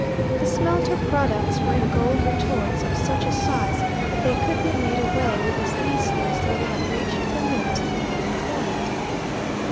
These smelter products were in gold retorts of such a size that they could be made away with as easily as though they had reached the mint and been coined.